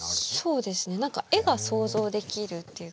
そうですね何か絵が想像できるっていうか。